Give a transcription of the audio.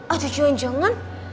aduh cuan jangan